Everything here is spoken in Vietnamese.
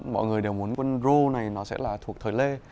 mọi người đều muốn quân rô này nó sẽ là thuộc thời lê